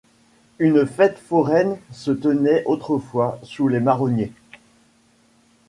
Une fête foraine se tenait autrefois sous les marronniers.